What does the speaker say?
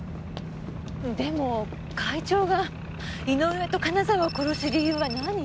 でも会長が井上と金澤を殺す理由は何？